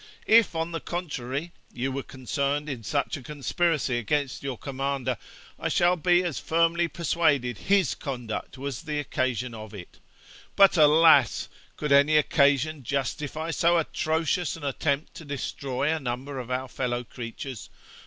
If, on the contrary, you were concerned in such a conspiracy against your commander, I shall be as firmly persuaded his conduct was the occasion of it; but, alas! could any occasion justify so atrocious an attempt to destroy a number of our fellow creatures?